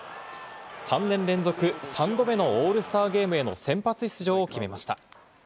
３年連続３度目のオールスターゲームへの先発出場を決めました。